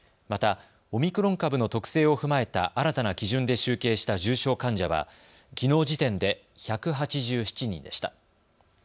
また、オミクロン株の特性を踏まえた新たな基準で集計した重症患者はきのう時点で１８７人でした。